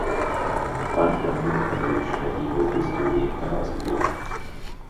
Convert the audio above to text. Band der "New Cambridge Medieval History" herausgegeben.